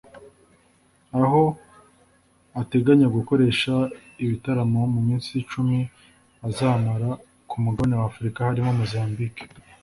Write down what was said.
Aho ateganya gukorera ibitaramo mu minsi icumi azamara ku Mugabane wa Afurika harimo Mozambique